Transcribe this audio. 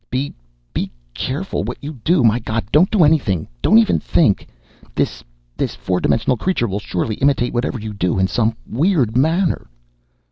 "Be be careful what you do! My God, don't do anything. Don't even think. This this four dimensional creature will surely imitate whatever you do in some weird manner."